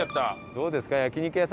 どうですか？